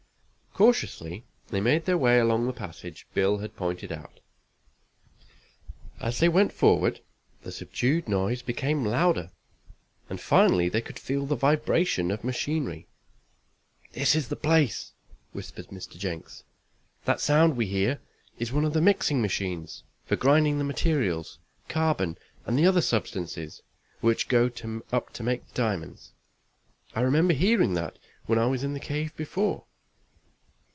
Cautiously they made their way along the passage Bill had pointed out. As they went forward the subdued noise became louder, and finally they could feel the vibration of machinery. "This is the place," whispered Mr. Jenks. "That sound we hear is one of the mixing machines, for grinding the materials carbon and the other substances which go to make up the diamonds. I remember hearing that when I was in the cave before."